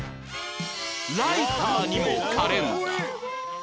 ライターにもカレンダー